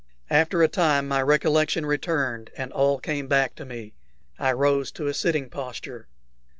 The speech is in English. After a time my recollection returned, and all came back to me. I rose to a sitting posture.